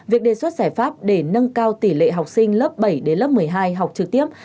việc đề xuất giải pháp để nâng cao tỷ lệ học sinh lớp bảy đến lớp một mươi hai học trực tiếp